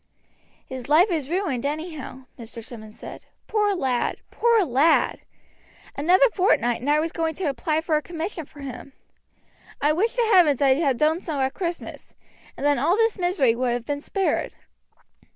"His life is ruined anyhow," Mr. Simmonds said. "Poor lad! poor lad! Another fortnight and I was going to apply for a commission for him. I wish to heavens I had done so at Christmas, and then all this misery would have been spared."